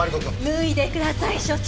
脱いでください所長。